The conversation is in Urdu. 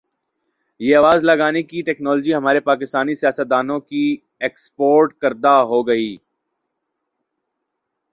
یہ آواز لگانے کی ٹیکنالوجی ہمارے پاکستانی سیاستدا نوں کی ایکسپورٹ کردہ ہوگی